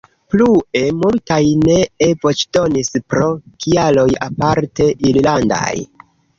Plue, multaj nee voĉdonis pro kialoj aparte irlandaj.